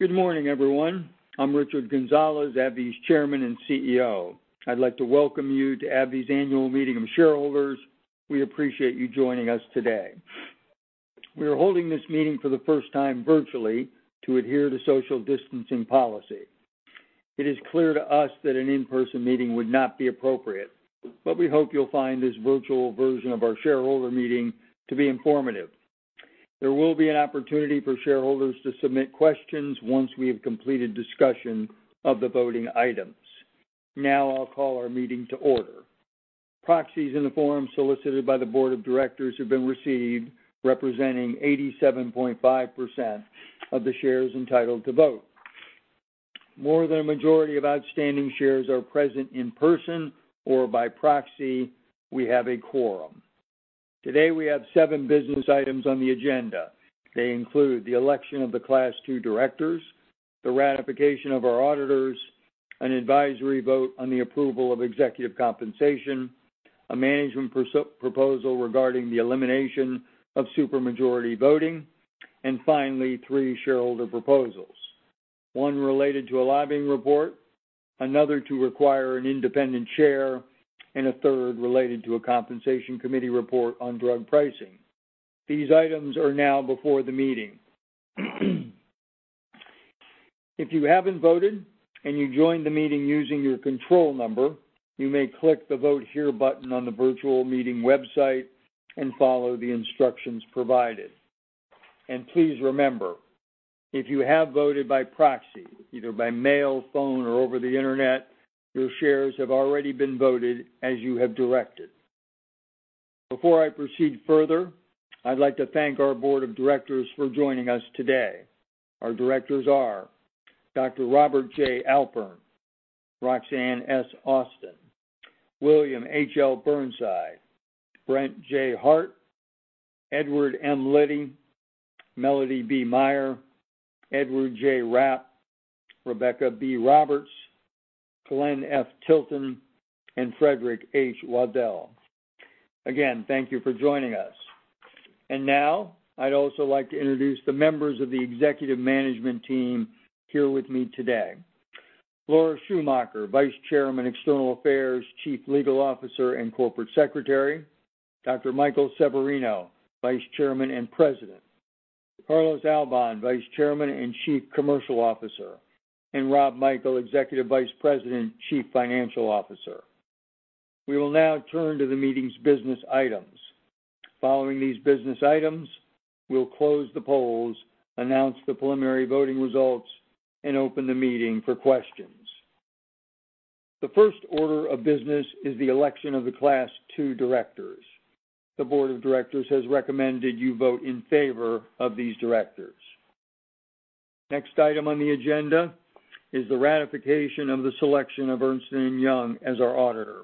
Good morning, everyone. I'm Richard Gonzalez, AbbVie's Chairman and CEO. I'd like to welcome you to AbbVie's Annual Meeting of Shareholders. We appreciate you joining us today. We are holding this meeting for the first time virtually to adhere to social distancing policy. It is clear to us that an in-person meeting would not be appropriate, but we hope you'll find this virtual version of our shareholder meeting to be informative. There will be an opportunity for shareholders to submit questions once we have completed discussion of the voting items. I'll call our meeting to order. Proxies in the form solicited by the Board of Directors have been received, representing 87.5% of the shares entitled to vote. More than a majority of outstanding shares are present in person or by proxy. We have a quorum. Today we have seven business items on the agenda. They include the election of the Class II Directors, the ratification of our auditors, an advisory vote on the approval of executive compensation, a management proposal regarding the elimination of supermajority voting, and finally, three shareholder proposals. One related to a lobbying report, another to require an independent chair, a third related to a Compensation Committee report on drug pricing. These items are now before the meeting. If you haven't voted and you joined the meeting using your control number, you may click the Vote Here button on the virtual meeting website and follow the instructions provided. Please remember, if you have voted by proxy, either by mail, phone, or over the internet, your shares have already been voted as you have directed. Before I proceed further, I'd like to thank our Board of Directors for joining us today. Our directors are Dr. Robert J. Alpern, Roxanne S. Austin, William H.L. Burnside, Brett J. Hart, Edward M. Liddy, Melody B. Meyer, Edward J. Rapp, Rebecca B. Roberts, Glenn F. Tilton, and Frederick H. Waddell. Again, thank you for joining us. Now I'd also like to introduce the members of the executive management team here with me today. Laura Schumacher, Vice Chairman, External Affairs, Chief Legal Officer, and Corporate Secretary. Dr. Michael Severino, Vice Chairman and President. Carlos Alban, Vice Chairman and Chief Commercial Officer, and Rob Michael, Executive Vice President, Chief Financial Officer. We will now turn to the meeting's business items. Following these business items, we'll close the polls, announce the preliminary voting results, and open the meeting for questions. The first order of business is the election of the Class II Directors. The Board of Directors has recommended you vote in favor of these directors. Next item on the agenda is the ratification of the selection of Ernst & Young as our auditor.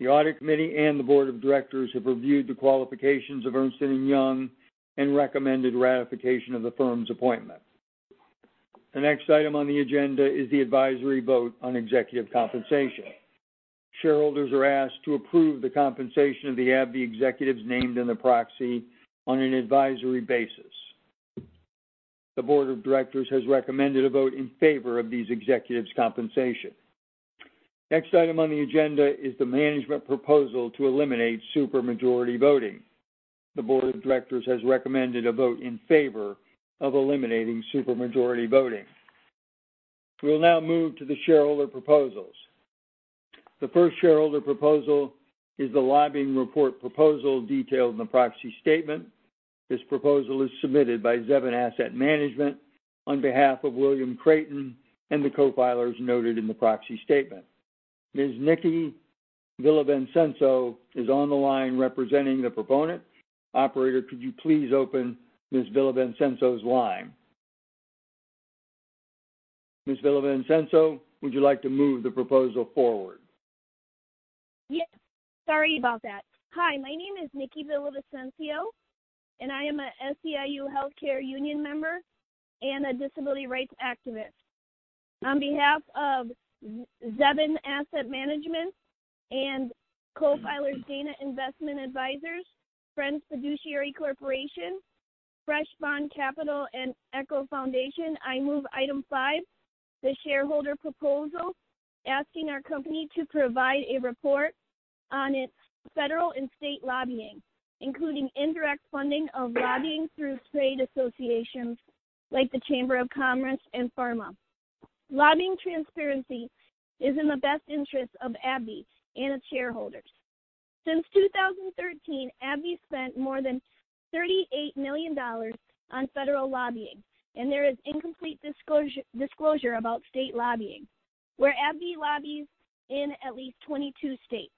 The Audit Committee and the Board of Directors have reviewed the qualifications of Ernst & Young and recommended ratification of the firm's appointment. The next item on the agenda is the advisory vote on executive compensation. Shareholders are asked to approve the compensation of the AbbVie executives named in the proxy on an advisory basis. The Board of Directors has recommended a vote in favor of these executives' compensation. Next item on the agenda is the management proposal to eliminate supermajority voting. The Board of Directors has recommended a vote in favor of eliminating supermajority voting. We'll now move to the shareholder proposals. The first shareholder proposal is the lobbying report proposal detailed in the Proxy Statement. This proposal is submitted by Zevin Asset Management on behalf of William Creighton and the co-filers noted in the Proxy Statement. Ms. Nikki Villavicencio is on the line representing the proponent. Operator, could you please open Ms. Villavicencio's line? Ms. Villavicencio, would you like to move the proposal forward? Yes. Sorry about that. Hi, my name is Nikki Villavicencio, and I am a SEIU Healthcare union member and a disability rights activist. On behalf of Zevin Asset Management and Co-Filers Dana Investment Advisors, Friends Fiduciary Corporation, Fresh Pond Capital, and Echo Foundation, I move item five, the shareholder proposal, asking our company to provide a report on its federal and state lobbying, including indirect funding of lobbying through trade associations like the Chamber of Commerce and PhRMA. Lobbying transparency is in the best interest of AbbVie and its shareholders. Since 2013, AbbVie spent more than $38 million on federal lobbying, and there is incomplete disclosure about state lobbying, where AbbVie lobbies in at least 22 states.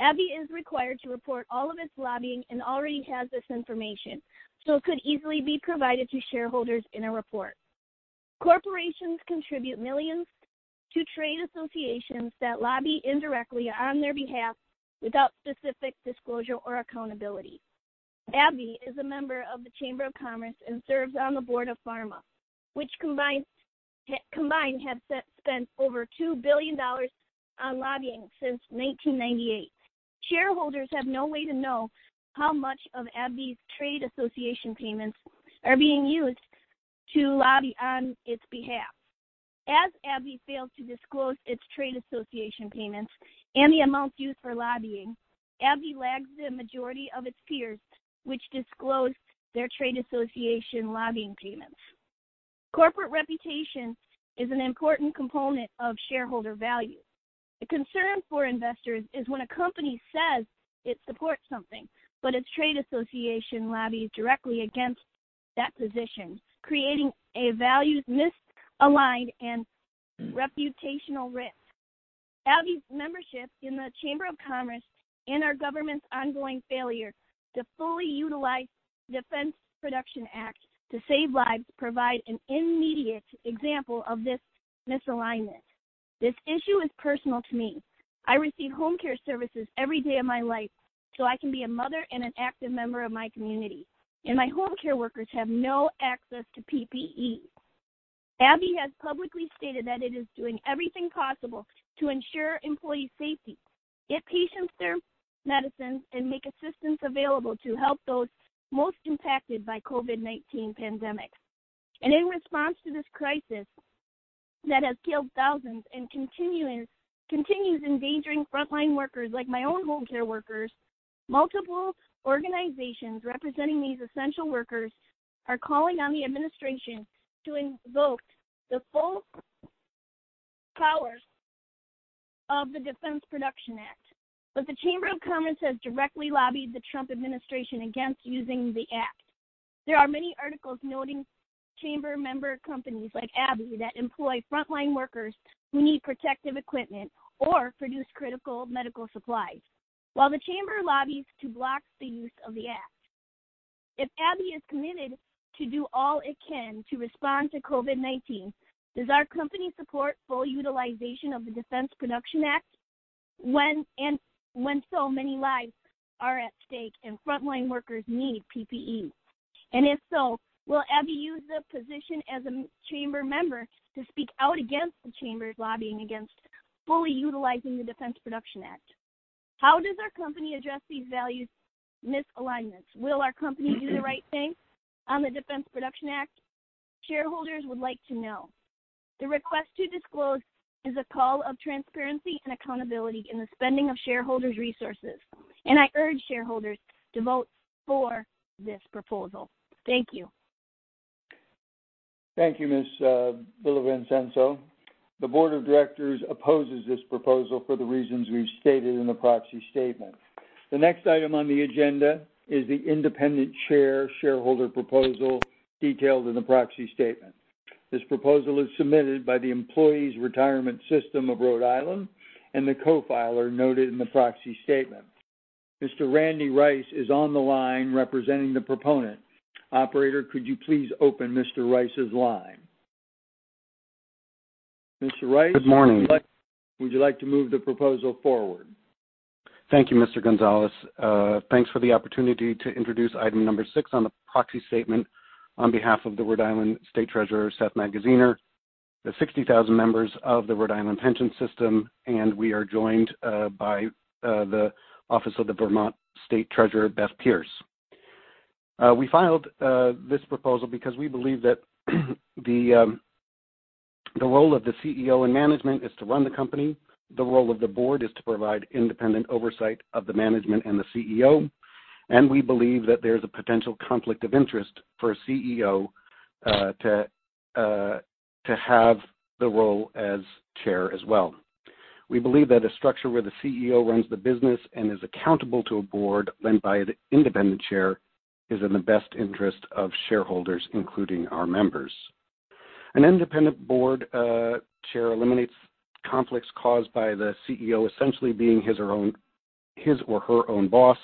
AbbVie is required to report all of its lobbying and already has this information, it could easily be provided to shareholders in a report. Corporations contribute millions to trade associations that lobby indirectly on their behalf without specific disclosure or accountability. AbbVie is a member of the Chamber of Commerce and serves on the Board of PhRMA, Combined have spent over $2 billion on lobbying since 1998. Shareholders have no way to know how much of AbbVie's trade association payments are being used to lobby on its behalf. As AbbVie failed to disclose its trade association payments and the amounts used for lobbying, AbbVie lags the majority of its peers, which disclose their trade association lobbying payments. Corporate reputation is an important component of shareholder value. The concern for investors is when a company says it supports something, but its trade association lobbies directly against that position, creating a values misaligned and reputational risk. AbbVie's membership in the Chamber of Commerce and our government's ongoing failure to fully utilize Defense Production Act to save lives provide an immediate example of this misalignment. This issue is personal to me. I receive home care services every day of my life so I can be a mother and an active member of my community, and my home care workers have no access to PPE. AbbVie has publicly stated that it is doing everything possible to ensure employee safety, get patients their medicines, and make assistance available to help those most impacted by COVID-19 pandemic. In response to this crisis that has killed thousands and continues endangering frontline workers like my own home care workers, multiple organizations representing these essential workers are calling on the administration to invoke the full powers of the Defense Production Act. The Chamber of Commerce has directly lobbied the Trump administration against using the act. There are many articles noting Chamber member companies like AbbVie that employ frontline workers who need protective equipment or produce critical medical supplies while the Chamber lobbies to block the use of the act. If AbbVie is committed to do all it can to respond to COVID-19, does our company support full utilization of the Defense Production Act when so many lives are at stake and frontline workers need PPE? If so, will AbbVie use the position as a Chamber member to speak out against the Chamber's lobbying against fully utilizing the Defense Production Act? How does our company address these values misalignments? Will our company do the right thing on the Defense Production Act? Shareholders would like to know. The request to disclose is a call of transparency and accountability in the spending of shareholders' resources. I urge shareholders to vote for this proposal. Thank you. Thank you, Ms. Villavicencio. The Board of Directors opposes this proposal for the reasons we've stated in the Proxy Statement. The next item on the agenda is the independent chair shareholder proposal detailed in the Proxy Statement. This proposal is submitted by the Employees' Retirement System of Rhode Island and the co-filer noted in the Proxy Statement. Mr. Randy Rice is on the line representing the proponent. Operator, could you please open Mr. Rice's line? Good morning. Mr. Rice would you like to move the proposal forward? Thank you, Mr. Gonzalez. Thanks for the opportunity to introduce item number six on the Proxy Statement on behalf of the Rhode Island State Treasurer, Seth Magaziner, the 60,000 members of the Rhode Island Pension System, and we are joined by the Office of the Vermont State Treasurer, Beth Pearce. We filed this proposal because we believe that the role of the CEO and management is to run the company, the role of the Board is to provide independent oversight of the management and the CEO, and we believe that there's a potential conflict of interest for a CEO to have the role as Chair as well. We believe that a structure where the CEO runs the business and is accountable to a Board led by the Independent Chair is in the best interest of shareholders, including our members. An Independent Board Chair eliminates conflicts caused by the CEO essentially being his or her own boss,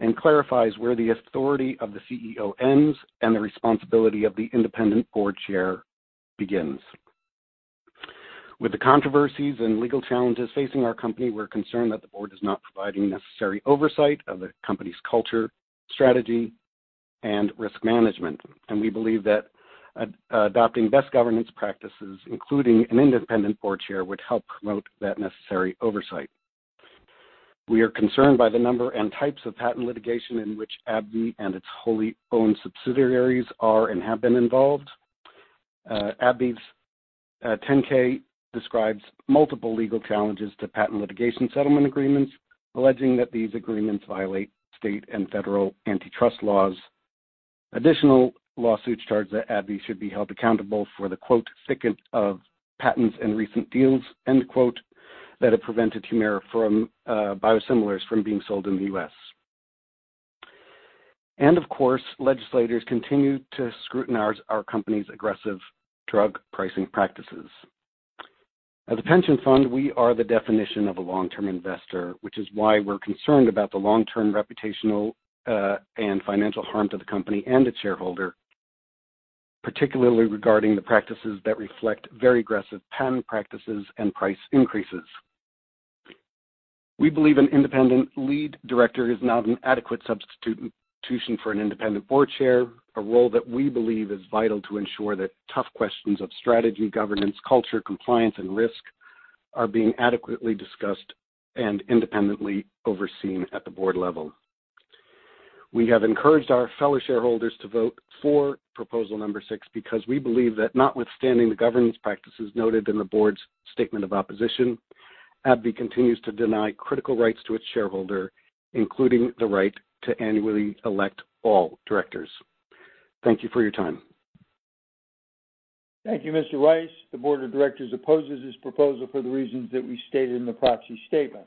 and clarifies where the authority of the CEO ends and the responsibility of the Independent Board Chair begins. With the controversies and legal challenges facing our company, we're concerned that the Board is not providing necessary oversight of the company's culture, strategy, and risk management. We believe that adopting best governance practices, including an Independent Board Chair, would help promote that necessary oversight. We are concerned by the number and types of patent litigation in which AbbVie and its wholly owned subsidiaries are and have been involved. AbbVie's 10-K describes multiple legal challenges to patent litigation settlement agreements, alleging that these agreements violate state and federal antitrust laws. Additional lawsuits charge that AbbVie should be held accountable for the, quote, "thicket of patents in recent deals," end quote, that have prevented HUMIRA biosimilars from being sold in the U.S. Of course, legislators continue to scrutinize our company's aggressive drug pricing practices. As a pension fund, we are the definition of a long-term investor, which is why we're concerned about the long-term reputational and financial harm to the company and its shareholder, particularly regarding the practices that reflect very aggressive patent practices and price increases. We believe an Independent Lead Director is not an adequate substitution for an Independent Board Chair, a role that we believe is vital to ensure that tough questions of strategy, governance, culture, compliance, and risk are being adequately discussed and independently overseen at the Board level. We have encouraged our fellow shareholders to vote for Proposal Number Six because we believe that notwithstanding the governance practices noted in the Board's statement of opposition, AbbVie continues to deny critical rights to its shareholder, including the right to annually elect all directors. Thank you for your time. Thank you, Mr. Rice. The Board of Directors opposes this proposal for the reasons that we stated in the Proxy Statement.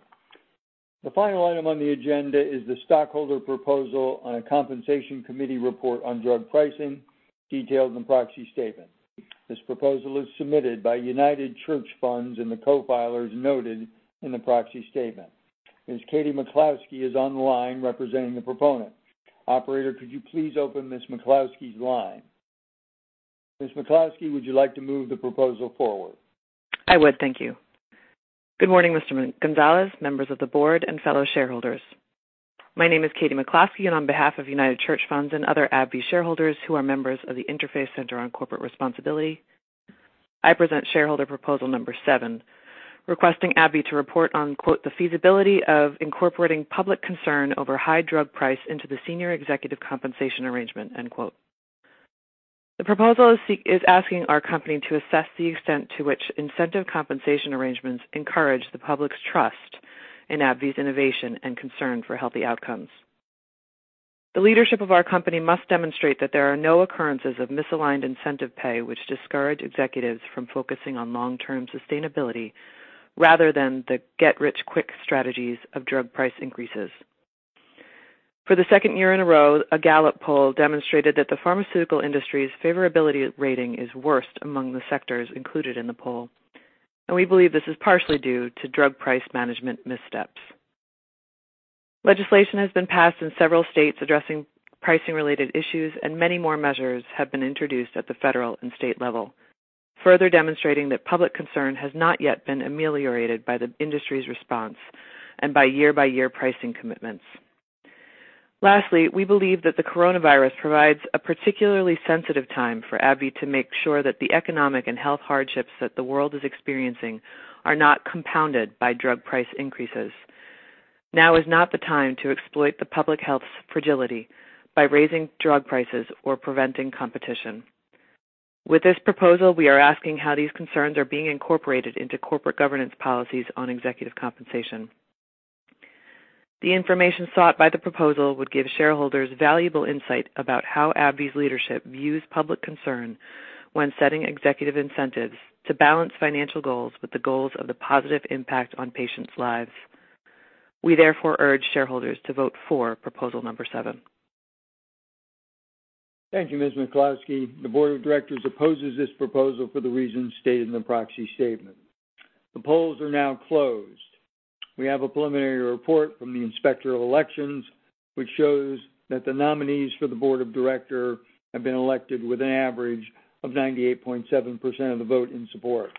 The final item on the agenda is the stockholder proposal on a compensation committee report on drug pricing, detailed in the Proxy Statement. This proposal is submitted by United Church Funds and the co-filers noted in the Proxy Statement. Ms. Katie McCloskey is online representing the proponent. Operator, could you please open Ms. McCloskey's line? Ms. McCloskey, would you like to move the proposal forward? I would. Thank you. Good morning, Mr. Gonzalez, members of the Board, and fellow shareholders. My name is Katie McCloskey, on behalf of United Church Funds and other AbbVie shareholders who are members of the Interfaith Center on Corporate Responsibility, I present shareholder Proposal Number Seven, requesting AbbVie to report on, quote, "The feasibility of incorporating public concern over high drug price into the senior executive compensation arrangement." End quote. The proposal is asking our company to assess the extent to which incentive compensation arrangements encourage the public's trust in AbbVie's innovation and concern for healthy outcomes. The leadership of our company must demonstrate that there are no occurrences of misaligned incentive pay which discourage executives from focusing on long-term sustainability, rather than the get-rich-quick strategies of drug price increases. For the second year in a row, a Gallup poll demonstrated that the pharmaceutical industry's favorability rating is worst among the sectors included in the poll, and we believe this is partially due to drug price management missteps. Legislation has been passed in several states addressing pricing-related issues, and many more measures have been introduced at the federal and state level, further demonstrating that public concern has not yet been ameliorated by the industry's response and by year-by-year pricing commitments. Lastly, we believe that the coronavirus provides a particularly sensitive time for AbbVie to make sure that the economic and health hardships that the world is experiencing are not compounded by drug price increases. Now is not the time to exploit the public health's fragility by raising drug prices or preventing competition. With this proposal, we are asking how these concerns are being incorporated into corporate governance policies on executive compensation. The information sought by the proposal would give shareholders valuable insight about how AbbVie's leadership views public concern when setting executive incentives to balance financial goals with the goals of the positive impact on patients' lives. We therefore urge shareholders to vote for Proposal Number Seven. Thank you, Ms. McCloskey. The Board of Directors opposes this proposal for the reasons stated in the Proxy Statement. The polls are now closed. We have a preliminary report from the Inspector of Elections, which shows that the nominees for the Board of Director have been elected with an average of 98.7% of the vote in support.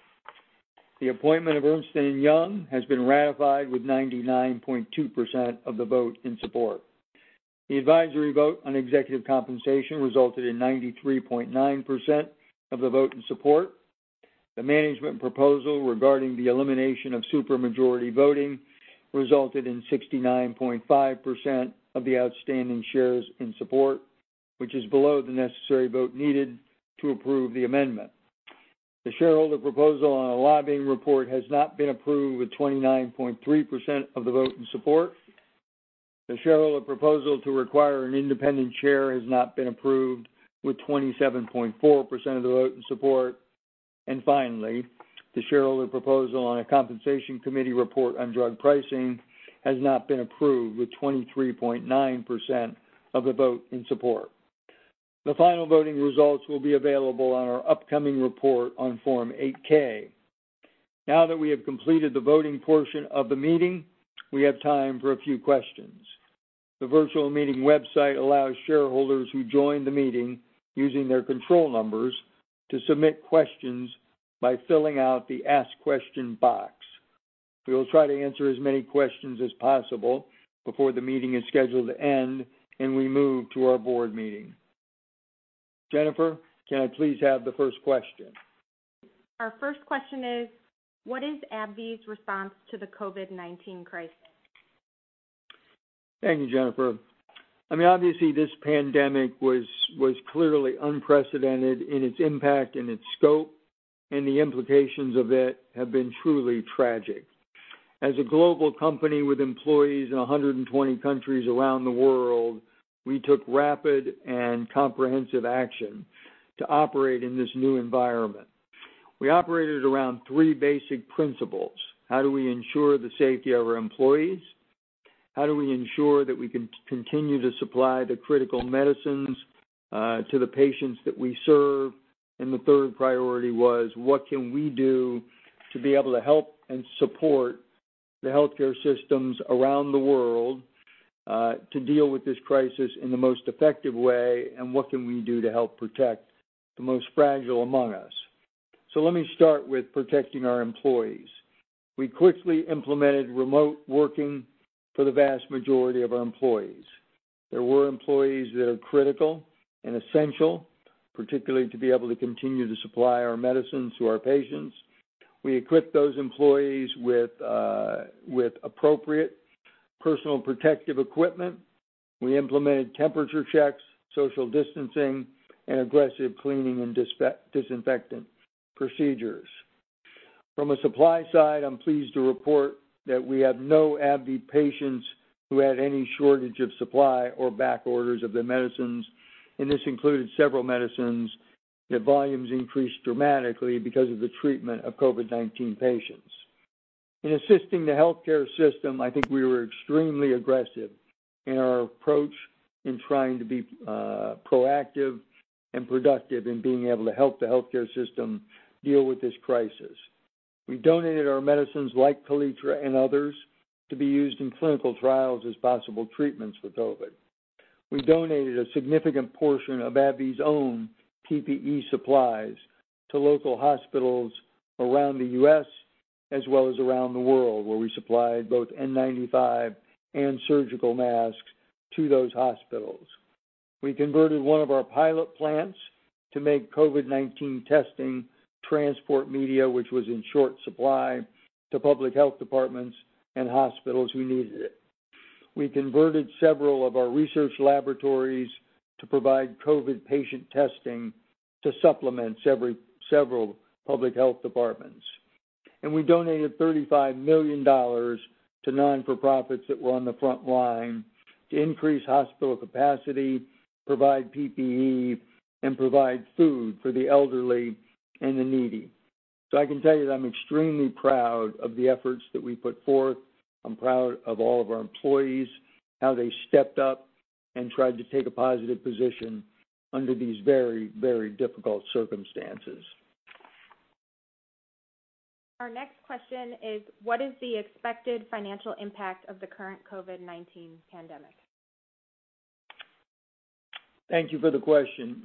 The appointment of Ernst & Young has been ratified with 99.2% of the vote in support. The advisory vote on executive compensation resulted in 93.9% of the vote in support. The management proposal regarding the elimination of supermajority voting resulted in 69.5% of the outstanding shares in support, which is below the necessary vote needed to approve the amendment. The shareholder proposal on a lobbying report has not been approved, with 29.3% of the vote in support. The shareholder proposal to require an Independent Chair has not been approved, with 27.4% of the vote in support. Finally, the shareholder proposal on a Compensation Committee report on drug pricing has not been approved, with 23.9% of the vote in support. The final voting results will be available on our upcoming report on Form 8-K. Now that we have completed the voting portion of the meeting, we have time for a few questions. The virtual meeting website allows shareholders who join the meeting using their control numbers to submit questions by filling out the Ask Question box. We will try to answer as many questions as possible before the meeting is scheduled to end and we move to our board meeting. Jennifer, can I please have the first question? Our first question is, what is AbbVie's response to the COVID-19 crisis? Thank you, Jennifer. I mean, obviously, this pandemic was clearly unprecedented in its impact and its scope, and the implications of it have been truly tragic. As a global company with employees in 120 countries around the world, we took rapid and comprehensive action to operate in this new environment. We operated around three basic principles. How do we ensure the safety of our employees? How do we ensure that we can continue to supply the critical medicines to the patients that we serve? The third priority was what can we do to be able to help and support the healthcare systems around the world to deal with this crisis in the most effective way, and what can we do to help protect the most fragile among us? Let me start with protecting our employees. We quickly implemented remote working for the vast majority of our employees. There were employees that are critical and essential, particularly to be able to continue to supply our medicines to our patients. We equipped those employees with appropriate personal protective equipment. We implemented temperature checks, social distancing, and aggressive cleaning and disinfectant procedures. From a supply side, I'm pleased to report that we have no AbbVie patients who had any shortage of supply or back orders of their medicines, and this included several medicines that volumes increased dramatically because of the treatment of COVID-19 patients. In assisting the healthcare system, I think we were extremely aggressive in our approach in trying to be proactive and productive in being able to help the healthcare system deal with this crisis. We donated our medicines, like KALETRA and others, to be used in clinical trials as possible treatments for COVID. We donated a significant portion of AbbVie's own PPE supplies to local hospitals around the U.S. as well as around the world, where we supplied both N95 and surgical masks to those hospitals. We converted one of our pilot plants to make COVID-19 testing transport media, which was in short supply, to public health departments and hospitals who needed it. We converted several of our research laboratories to provide COVID patient testing to supplement several public health departments. We donated $35 million to nonprofits that were on the front line to increase hospital capacity, provide PPE, and provide food for the elderly and the needy. I can tell you that I'm extremely proud of the efforts that we put forth. I'm proud of all of our employees, how they stepped up and tried to take a positive position under these very, very difficult circumstances. Our next question is, what is the expected financial impact of the current COVID-19 pandemic? Thank you for the question.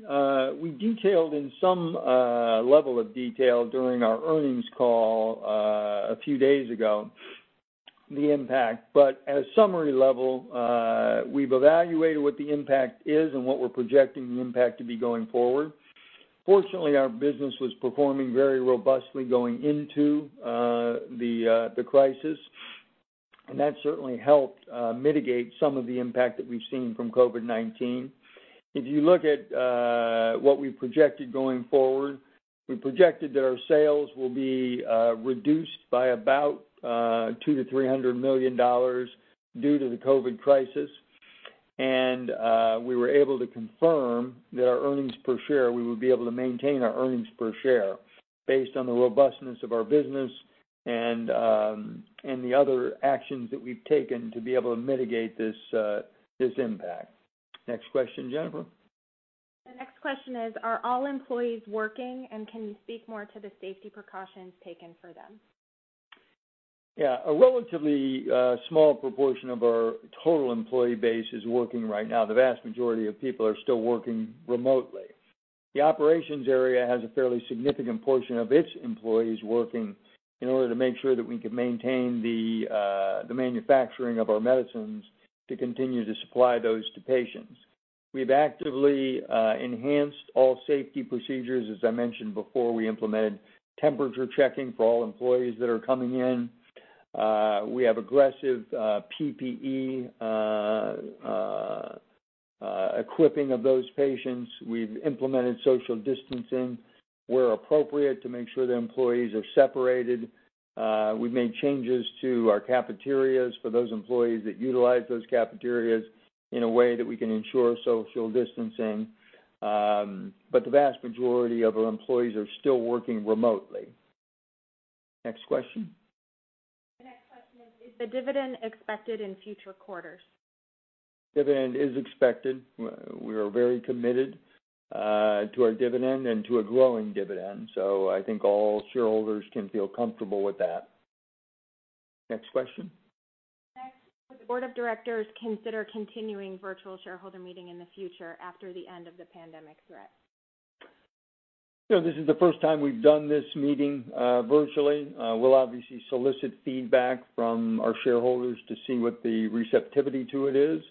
We detailed in some level of detail during our earnings call a few days ago the impact, but at a summary level, we've evaluated what the impact is and what we're projecting the impact to be going forward. Fortunately, our business was performing very robustly going into the crisis, and that certainly helped mitigate some of the impact that we've seen from COVID-19. If you look at what we've projected going forward, we projected that our sales will be reduced by about $200 million-$300 million due to the COVID crisis. We were able to confirm that our earnings per share, we would be able to maintain our earnings per share based on the robustness of our business and the other actions that we've taken to be able to mitigate this impact. Next question, Jennifer. The next question is, are all employees working, and can you speak more to the safety precautions taken for them? Yeah. A relatively small proportion of our total employee base is working right now. The vast majority of people are still working remotely. The operations area has a fairly significant portion of its employees working in order to make sure that we can maintain the manufacturing of our medicines to continue to supply those to patients. We've actively enhanced all safety procedures. As I mentioned before, we implemented temperature checking for all employees that are coming in. We have aggressive PPE equipping of those patients. We've implemented social distancing where appropriate to make sure that employees are separated. We've made changes to our cafeterias for those employees that utilize those cafeterias in a way that we can ensure social distancing. The vast majority of our employees are still working remotely. Next question. The next question is the dividend expected in future quarters? Dividend is expected. We are very committed to our dividend and to a growing dividend. I think all shareholders can feel comfortable with that. Next question. Would the Board of Directors consider continuing virtual shareholder meeting in the future after the end of the pandemic threat? This is the first time we've done this meeting virtually. We'll obviously solicit feedback from our shareholders to see what the receptivity to it is.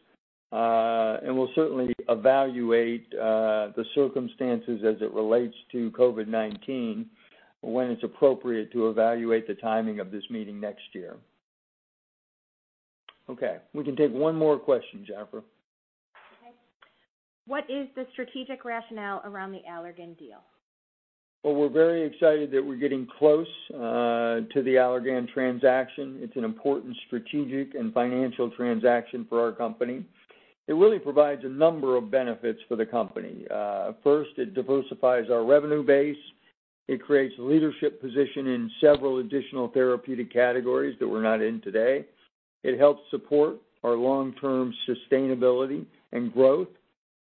We'll certainly evaluate the circumstances as it relates to COVID-19 when it's appropriate to evaluate the timing of this meeting next year. Okay, we can take one more question, Jennifer. Okay. What is the strategic rationale around the Allergan deal? Well, we're very excited that we're getting close to the Allergan transaction. It's an important strategic and financial transaction for our company. It really provides a number of benefits for the company. First, it diversifies our revenue base. It creates a leadership position in several additional therapeutic categories that we're not in today. It helps support our long-term sustainability and growth.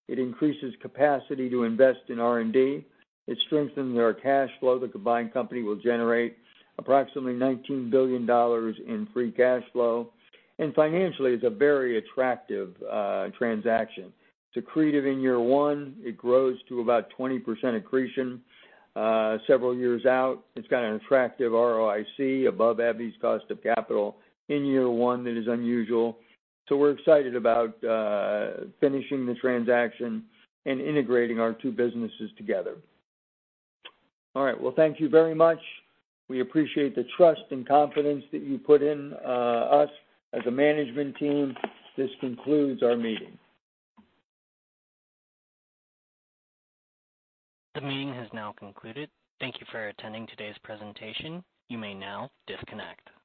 It increases capacity to invest in R&D. It strengthens our cash flow. The combined company will generate approximately $19 billion in free cash flow. Financially, it's a very attractive transaction. Accretive in year one, it grows to about 20% accretion several years out. It's got an attractive ROIC above AbbVie's cost of capital in year one that is unusual. We're excited about finishing the transaction and integrating our two businesses together. All right. Well, thank you very much. We appreciate the trust and confidence that you put in us as a management team. This concludes our meeting. The meeting has now concluded. Thank you for attending today's presentation. You may now disconnect.